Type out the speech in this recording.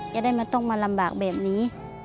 จะได้ไม่ต้องมาลำบากแบบนี้